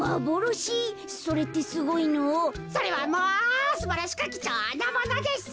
それはもうすばらしくきちょうなものです。